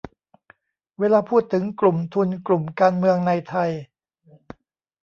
เวลาพูดถึง กลุ่มทุน กลุ่มการเมือง ในไทย